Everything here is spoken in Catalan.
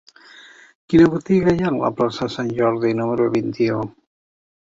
Quina botiga hi ha a la plaça de Sant Jordi número vint-i-u?